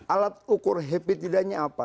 alat ukur happy tidaknya apa